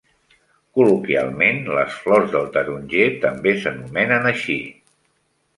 Col·loquialment les flors del taronger també s'anomenen així.